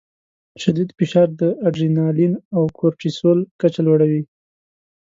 شدید فشار د اډرینالین او کورټیسول کچه لوړوي.